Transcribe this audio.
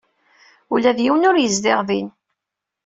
Ula d yiwen ur yezdiɣ din.